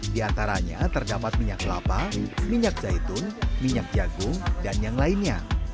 di antaranya terdapat minyak kelapa minyak zaitun minyak jagung dan yang lainnya